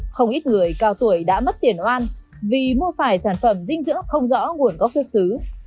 không ít người cao tuổi đã mất tiền oan vì mua phải sản phẩm dinh dưỡng không rõ nguồn gốc xuất xứ